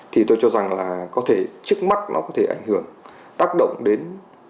thì tôi cho rằng là có thể trước mắt nó có thể ảnh hưởng tác động đến